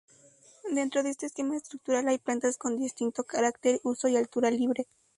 Dentro de este esquema estructural, hay plantas con distinto carácter, uso y altura libre.